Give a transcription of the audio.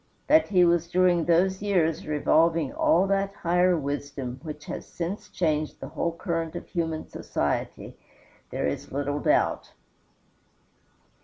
That he was during those years revolving all that higher wisdom which has since changed the whole current of human society there is little doubt.